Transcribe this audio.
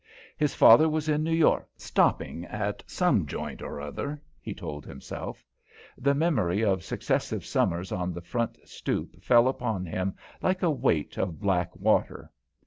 His father was in New York; "stopping at some joint or other," he told himself. The memory of successive summers on the front stoop fell upon him like a weight of black water.